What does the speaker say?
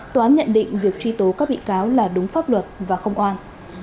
toán nhận định việc truy tố các bị cáo là đúng pháp luật và không oan